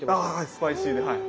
スパイシーではい。